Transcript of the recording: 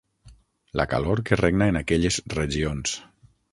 La calor que regna en aquelles regions.